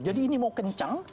jadi ini mau kencang